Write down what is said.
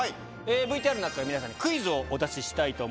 ＶＴＲの中から皆さんにクイズをお出ししたいと思います。